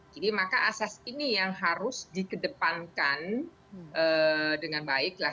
jadi maka asas ini yang harus dikedepankan dengan baik lah